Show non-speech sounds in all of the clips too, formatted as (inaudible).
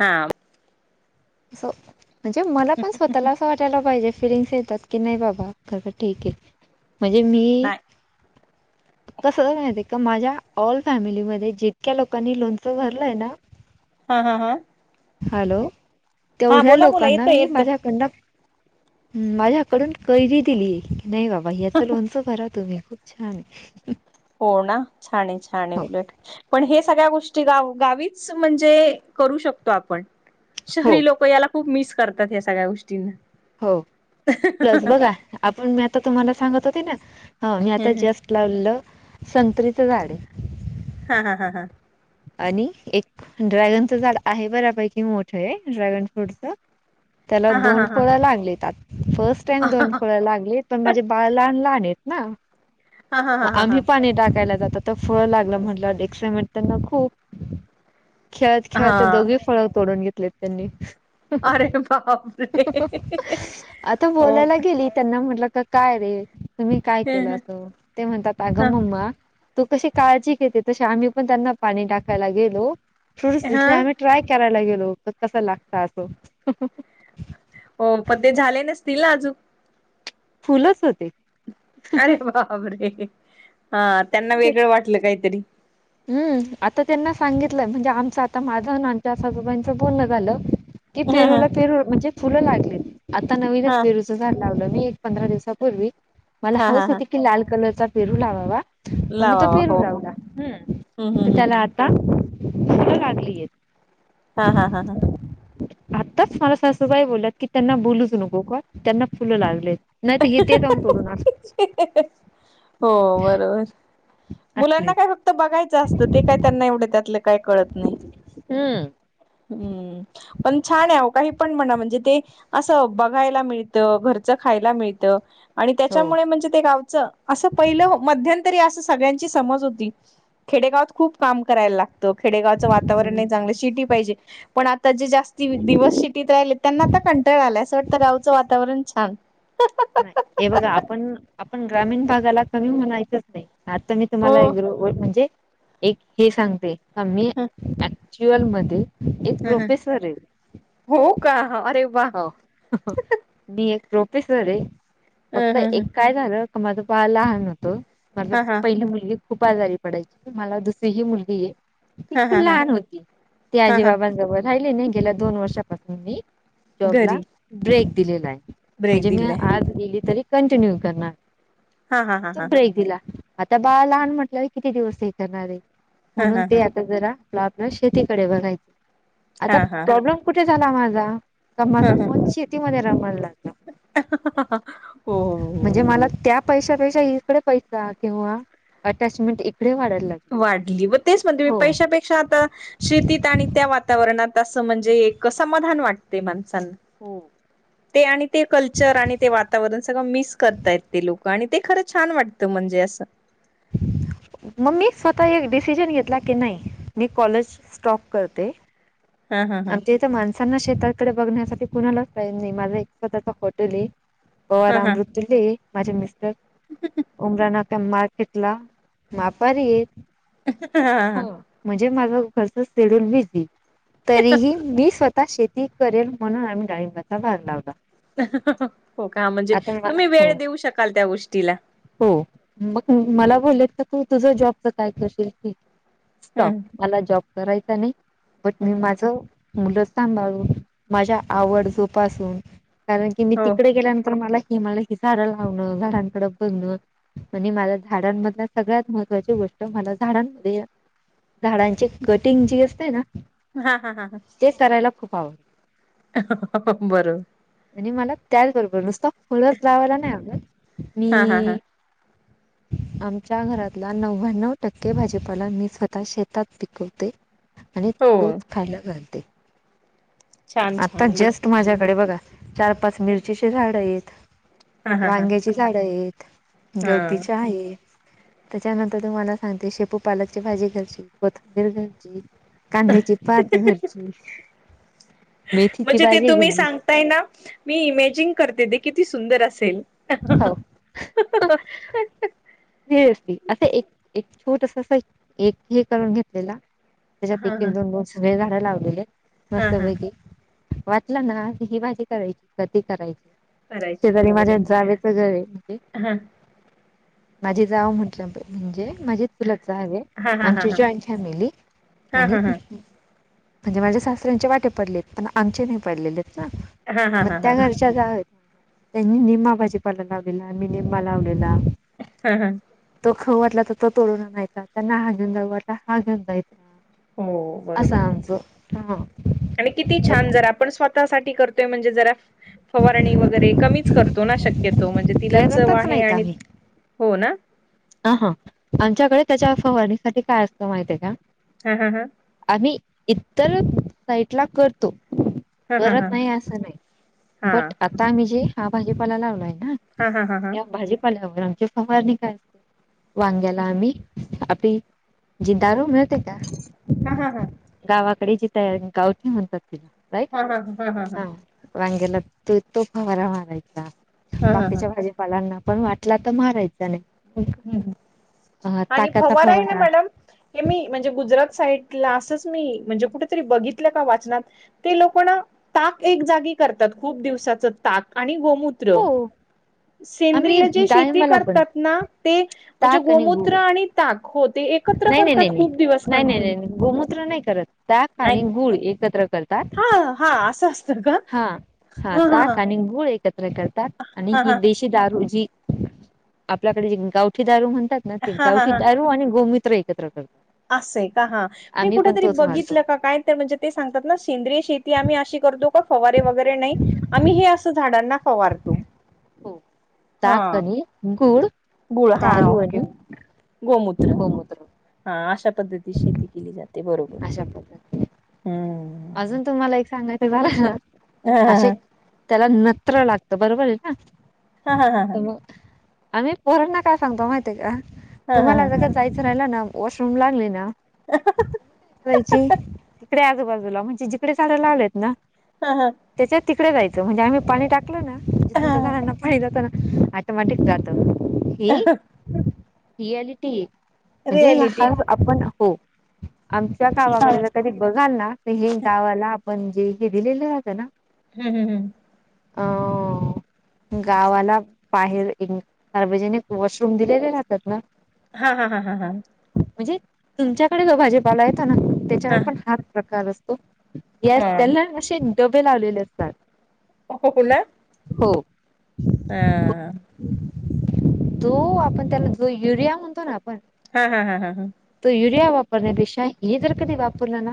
हा अस म्हणजे मला पण स्वतःला असं वाटायला पाहिजे फिलिंग्स येतात की नाही बाबा खरं ठीक आहे म्हणजे मी नाही कस माहि आहे का माझ्या ऑल फॅमिलीमध्येध्ये जितक्या लोकांनी लोनचं भरलंय ना हा हा हा हॅलो हा तेवढ्या बोला बोला लोकांना येतं मी येतं माझ्याकडन ह माझ्याकडून कैदी दिली की नाही बाबा याचं लोनच भरा तुम्ही खूप प्छाम हो ना छान छान उलट पण हे सगळ्या गोष्टी गा म्हणजे कर शकतो आपण हो शहरी लोक याप मि करतात या सगळ्या गोष्टींना हो प्लस बघा आपण मी आता तुम्हाला सांगत होते ना मी आता जस्ट लावलेलं संत्रीचं झाडे. हा हा हा हा. आणि एक ड्रॅगनचं झाड आहे बऱ्यापैकी मोठ आहे. ड्रॅगन फ्रूटचं. त्याला हा दोन हा हा फळं लागली आत. फर्स्ट टाइम हा हा दोन फळं लागलीत. पण माझे बाळ लहान लहान आहेत ना? हा मग हा हा आम्ही पाणी टाकायला जातो - तर फळ लागलं म्हटल्यावर एक्सायमेन्ट त्यांना खूप. खेळत खेळत हा दोघे - फळ तोडून घेतलेत त्यांनी. अरे बापरे आता हो बोलायला गेली त्यांना म्हटलं- काय रे? तुम्ही काय केलं असं? ते म्हणतात अगं मम्मा- तू कशी काळजी घेते तसे आम्ही पण त्यांना पाणी टाकायला गेलो. थोडेच हा दिसले आम्ही- ट्राय करायला गेलो. ते कस लागत असं- हो. पण ते झाले नसतील ना अजून? फुलच ए ते. अरे बापरे! हा. त्यांना वेगळं वाटलं काहीतरी. हम्म. आता त्यांना सांगितलं. म्हणजे आमचं आता माझं अन आमच्या सासूबाईचं बोलण झालं- की हा हा पेरूला पेरू म्हणजे फुलं लागले. आता नवीनच हा पेरू- झाड लावल मी, एक पंधरा दिवसापूर्वी. मला हा हौस हा हा होती की लाल कलरचा पेरू लावावा. म मी तो लावावा पेरू हो हो लावला. हं. हम्म हम्म हम्म त्याला हम्म. आता फुल लागलीयेत. हा हा हा हां. आत्ताच मला सासूबाई बोलल्यात की, त्यांना बोलूच नको का त्यांना फुलं लागलियेत. नाही त हे ते जाऊन तोडून अस- हो. बरोबर. असले मुलांना काय फक्त- क्त बघायचं असतं. ते काय त्यांना एवढं त्यातलं काही कळत नाही. हम्म हम्म. पण छान आहे अहो, काही पण म्हणा म्हणजे ते- असं बघायला मिळतं. घरचं खायला मिळतं. आणि हो त्याच्यामुळे म्हणजे ते गाव- च. असं पहिलं मध्यंतरी असं सगळ्यांची समज होती- खेडेगावात खूप काम करायला लागतं. खेडेगावचं वातावरण हम्म. नाही चांगलं. सिटी पाहिजे. पण आता जे जास्ती दिवस सिटीत राहिले त्यांना आता कंटाळा आलाय. असं वाटतं गावचं वातावरण छान. नाही. हे बघा आपण, आपण ग्रामीण भागाला कमी म्हणायचंच नाही. आता मी तुम्हाला हो एक म्हणजे, एक हे सांगते का मी- हा चुएल मध्ये एक हा हा. प्रोफेसर आहे. हो का? अरे व्वा! हो मी एक प्रोफेसर आहे. अ फक्त ह ह एक काळ - झालं. का माझं बाळ लहान होत. माझं हा हा पहिली मुलगी- खूप आजारी पडायची. मला दुसरीही मुलगी आहे. ती हा खूप हा हा लहान होती. ती हा हा आजीबाबांजवळ राहिली. नाही गेल्या दोन वर्षापासून मी- जॉबला घरी ब्रेक दिलेला आहे. ब्रेक म्हणजे मी दिलाय आज- गेली तरी कंटिन्यू करणार. हा हा हा तो हा हा ब्रेक दिला. आता बाळ लहान म्हटल्यावर किती दिवस हे करणार आहे? हा म्हणून हा ते आता जरा आपला- शेतीकडे बघायच. आता हा हा प्रॉब्लेम कुठे झाला माझा? का माझं मुली - शेतीमध्ये रमायला - होहो. पैसा, पैसा इकडे पैसा तेव्हा अटॅचमेंट इकडे वाढायला लागली. वाढली. म तेच म्हणते मी. हो. पैशापेक्षा आता शेतीत आणि- त्या वातावरणात असं म्हणजे, एक समाधान वाटते माणसांना. हो. ते आणि ते कल्चर आणि ते वातावरण सगळं मिस करतायेत ते लोक. आणि ते खरंच- छान वाटतं म्हणजे असं. मग मी स्वतः एक डिसिजन घेतला. की नाही मी कॉलेज स्टॉप करते- हा हा हा आमच्या इथे माणसांना शेताकडे बघण्यासाठी कुणालाच पा नाही माझा एक स्वतःचचा हॉटेल आहे. बआ हा अमरुद्दुल्ली माझे मिस्टर उमराना. त्या मार्केटला मापारी येत. हा हा. म्हणजे माझ घरस शड्यूल बिझी तरीही मी स्वतः शेती करेल म्हणून आम्ही डाळिंबाचा भाग लावला. हो का म्हणजे आता म तुम्ही हो वेळ देऊ शकाल त्या गोष्टीला हो मग मला बोलत तर तू तुझं जॉबच काय करशील. स्टॉप हम्म मला जॉब करायचा नाही. बट मी हम्म. माझ मुलंथांभाळून माझ्या आवड जोपासून कारण की मी हो तिकडे गेल्यानंतर मला कि मला ही झाडं लावणं घरांकडं बनण. आणि मझला झाडांमधल्या सगळ्यात महत्त्वाची गोष्ट मला झाडांमध्ये. झाडांची कटिंग जी असते ना. हा हा हा हा. ते करायला खूप आवडतं. बरोबर. आणि मला त्याचबरोबर नुसत फळच लावायला नाही आडत हा हा हा मी (inaudible) आमच्या घरातला नव्याण्णव टक्के भाजीपाला मी स्वतः शेतात पिकवते. आणि. हो. फायला घते. छान छान आता उलट जस्ट खूप सुंदर माझ्याकडे बघा चार पाच मिरचीचे झाड आहेत. हा हा हा वांग्याची झाड आहेत हा गवतीच्या आहेत. त्याच्यानंतर तुम्हाला सांगते शेपू पालकची भाजी घरची कोथंबीर घरची. कांद्याची पाात घरची. मेथीची म्हणजे ते भाजी तुम्ही घरी सांग. तय ना मी इमेजिन करते दे किती सुंदर असेल. हो सिरियसली असं एक छोट अस एक हे करून घेतलेला. त्याच्यात हा एक हा एक दोन दोन सगळे झाडं लावलेले हा मस्त हा पैकी वाटलं ना ही भाजी करायची कधी करायची. करायची शेजारी बरोबर माझ्यात जावेच घर आहे म्हणजे. आहे हा. माझी जाव म्हटलं म्हणजे माझी. सुल हवे हा हा हा आमची हा जॉईंट फॅमिली हा आणि हा हा म्हणजे माझ्या सासऱ्यांचे वाटे पडलेत पण आमचे नाही पडलेले आहेत ना. हा हा मग हा त्या हा घरच्या जाव त माझ्या. त्यांनी निम्मा भाजीपाल लावलेला मी निमबा लावलेला. हा हा. तो ख वाटला तर तो तोडणार नाही का त्यांना हा घेऊन जा वाटला हा घेऊन जायचा. हो असं बरोबर आमचं हा आणि किती छान जरा आपण स्वतः ोय म्हणे ज फवारणी वरे कच करतो ना शकतो म्हण तिला चव करतच आहे आणि हो ना. हा हा आमच्याकडे त्याच्या फवारणीसाठी काय असतं माहिती आहेय का. हा हा हम. आम्ही इतर साईट ला करतो. हा हा हा करत नाही असं नाही हा बट. आता आम्ही जे हा भाजीपाला लावलोय ना हा हा हा हा हा हा या भाजीपाल्यावर आमचे फवार नि काा वांग्याला आम्ही आपली जिंदारो मिळत आहे का. हा हा हा. गावाकडे जी तयारी गावठी म्हणतात तिला राईट हा वांगेला त तोफवारा मारायचा हा हा बाकीच्या भाज्या लांना पण वाटला तर मारायचा नाही मग ह् अ, आणि ताकाचा फवार आहे ना फवारा मॅडम हे मी म्हणजे गुजरात साईट ला असंच मी म्हणजे कुठेतरी बघितलं का वाचनात ते लोकना ताक एक जागी करतात खूप दिवसाच ताक आणि गोमूत ्र हो आम्ही सेंद्रिय जे शेती डाळिंबाला पण करतात ना ते म्हणजे ताक आणि गोमूत्र गुळ आणि ताक हो ते एकत्र नाही नाही नाही करतात नाही खूप दिवस नाही नाही नाही कंटिन्यू नाही गोमूत्र नाही करत ताक नाही आणि गुळ एकत्र करते हा हा असं असतं का हा हा ताक आणि गूळ एकत्र करतात आणि हा ही हा देशी दारू जी आपल्याकडे जे गावठी दारू म्हणतात हा हा गावठी दारू आणि गोमित्र एकत्र कर तत असंयका हा मी कुठ तरी तोच मारतो बघितलं का काय म्हणजे ते सांगतात ना सेंद्रय शेती आम्ही अशी करतो. (inaudible) हो ताक आणि गुळ गूळ हा दारू ओके आणि गोमूत्र गोमूत्र हा अशा पद्धती शेती केली जाते बरोबर अशा पद्धती हम्म अजून तुम्हाला एक सांगायचं झालं असे हा त्याला नत्र लागत बरोबर आहे ना. हा हा हा हा. तर आम्ही पोरंना काय सांगतो माहिती आहे का हा हा हा तुम्हाला गटात जायचं राहिला ना वॉशरूम लागले नाय की तिकडे आजूबाजू ला म्हणजे जिकडे काड्या लावल्या आहेतना. हा हा. त्याच्या तिकडे जायचं म्हणजे आम्ही पाणी टाकलं हा ना हा झाडांना पाणी जातना. टमाटित जात रियालिटी म्हणजे रियालिटी हव आपण हो आमच्या हा गावाकडे कधी बघाल ना तर हे गावाला आपण जे हे दिलेलं राहतं ना हम्म, हम्म, हम्म. ह. गावाला बाहेर एक सार्वजनिक वॉशरूम दिलेले राहतातना. हा हा हा हा हां. म्हणजे तुमच्याकडे भाजीपाला येतोना त्याच्यावर पण हा प्रकार असतो. हा त्यांना असे डबे लावलेले असतात. हो न.. हो.. ह.. तो आपण त्याला जो युरिया म्हणतो ना आपण हा हा हा हा हा. त युरिया वापरण्यापेक्षा हे जर कधी वापरलं ना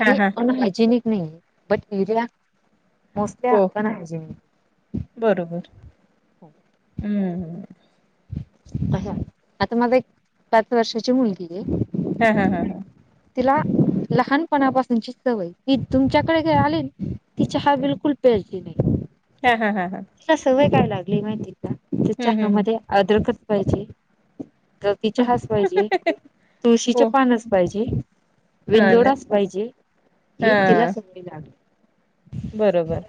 हा हा हा अनहायजेनिक नाही बट युरिया मोस्टली हो अपर हाॅजेनिक. बरोबर हम्म. आता माझ एक पाच वर्षाची मुलगी आहे हा हा हा हां. तिला लहानपणापासूनची सवय ती तुमच्याकडे जर आली ती चहा बिलकुल प्यायची नाही. हा हा हा हां. तिला सवय काय लागली माहिती कात हम्म हम्म हम्म चहामध्ये आदरकच पाहिजे. गवती चहाच पाहिजे. तुळशीचे हो पानच पाहिजे, हा ना वेलदोडाच पाहिजे हे तिला हा सवय लागले बरोबर.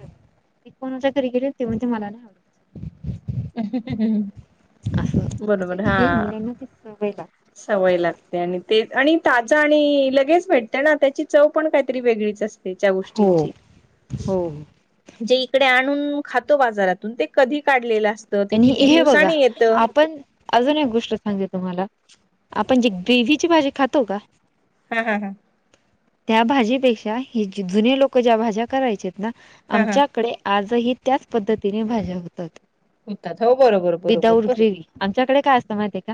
ती कोणाच्या घरी गेली की... ती म्हणते मला नाई आवडत असं म्हणजे बरोबर हा हे मुलांना ती सवय लागते. सवय लागते आणि ते... आणि ताजा... आणि लगेच भेटते ना... त्याची चव पण काहीतरी वेगळीच असते तिच्या हो. गोष्टींची हो जे इकडे आणून खातो बाजारातून.. ते कधी काढलेलं असतं ते आणि किती हे बघा दिवसानी येतं आपण अजून एक गोष्ट सांगते तुम्हाला आपण जी ग्रेव्हीची भाजी खातो का हा हा.. हा त्या भाजीपेक्षा हे जुने लोकं... ज्या भाज्या करायचे ना... हा हा आमच्याकडे आजही त्याच पद्धतीने भाज्या होतात होतात... हो बरोबर बरोबर विदाउट प ग्रेवी... आमच्याकडे काय असतं माहितीए का?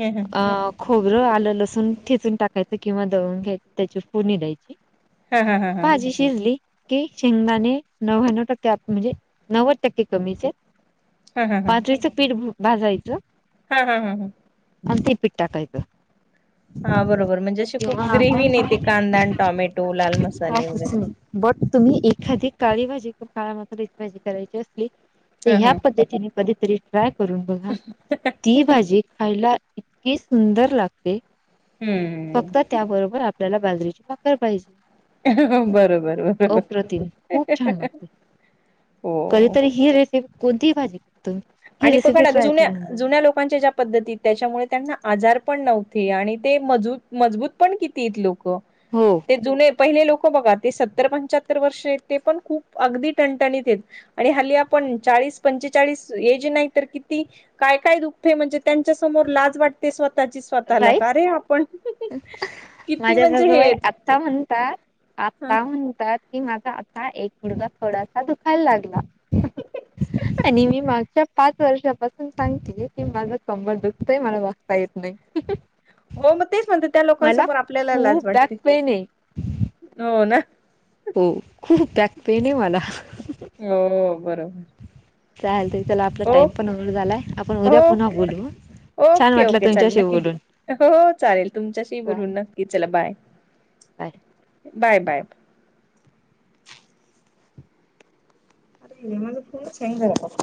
हं अ खोबरं, आलं, लसून ठेचून टाकायचं किंवा दळून घ्यायचं... त्याची फोडनी द्यायची हा हा हा हा भाजी शिजली की शेंगदाणे नव्याण्णव टक्के... म्हणजे नव्वद टक्के कमीच हेत हा हा बाजरीचं पीठ भाजायचं हाहा... हा हां अन ते पिठ टाकयचं हा बरोबर... म्हणजे, अशी खूप ग्रेवी आपण नाई... ते कांदा काहीच आणि टॉमॅटो... लाल मसाले वगैरे नाही बट तुम्ही एखादी काळी भाजी... काळ्या मसाल्याची भाजी करायची असली तर हा ह्या हा पद्धतीने... कधीतरी ट्राय करून बघा... ती भाजी खायला इतकी की सुंदर लागते हूं फक्त त्याबरोबर आपल्याला बाजरीची भाकर पाहिजे बरोबर बरोबर अप्रतिम खूप छान लागते हो कधीतरी हि रेसिपी... कोणतीही भाजी तुम्ही ही आणि पघा रेसिपी ना ट्राय जुन्या... करून बघा जुन्या... लोकांच्या ज्या पद्धतीत... त्याच्यामुळे, त्यांना आजार पण नव्हते... आणि ते मजूत... मजबूत पण कितीत लोकं हो ते जुने... पहिले लोकं बघा... ते सत्तर पंच्याहत्तर वर्ष हेत... ते पण खूप अगदी टणटणीत हेत आणि हल्ली आपण चाळीस पंचेचाळीस एज नाही तर किती... काय काय दुखतंय... म्हणजे त्यांच्या समोर लाज वाट ते स्वतःची... स्वतःला.... राईस का रे आपण किती माझ्या म्हणजे सासूबाई हे आत्ता म्हणतात... आत्ता म्हणतात... की माझा आता.. एक गुढगा थोडासा दुखायला लागला आणि मी मागच्या पाच वर्षापासून सांगतेय... की माझं कंबर दुखतंय.. मला बसता येत नाई नाई... हू हू हो मग तेच म्हणते... त्या लोकांसमोर... आपल्याला लाज खूप बॅक वाटते... पेन आहे हो ना हो... खूप बॅकपेन ए मला हो बरोबर चालतंय... चला आपला टाइम ओके पण होल्ड झालाय... आपण उद्या पुन्हा ओके बोलू हं ओके ओके... चालेल... नक्की... हो चालेल... तुमच्याशी चालेल बोलून न क्की... चला बाय.. बाय बाय बाय आता म्हणजे माझा फोनच हँग झाला, कसं काय?